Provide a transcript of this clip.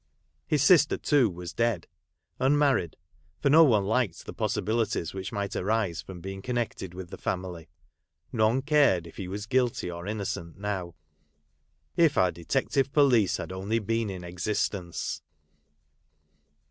His sister, too, was dead, unmarried, for no one liked the possibilities which might arise from being connected with the family. None cared if he was guilty or innocent now. If our Detective Police had only been in existence